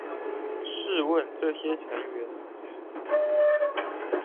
試問這些成員